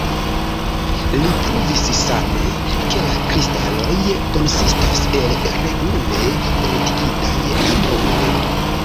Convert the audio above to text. Li pruvis same, ke la kristaloj konsistas el regule ordigitaj atomoj.